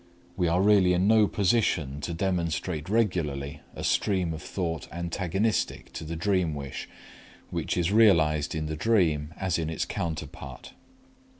We are really in no position to demonstrate regularly a stream of thought antagonistic to the dream wish which is realized in the dream as in its counterpart.